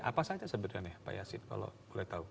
apa saja sebenarnya pak yasin kalau boleh tahu